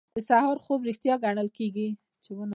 د سهار خوب ریښتیا ګڼل کیږي.